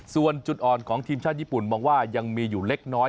ส่วนจุดอ่อนของทีมชาติญี่ปุ่นมองว่ายังมีอยู่เล็กน้อย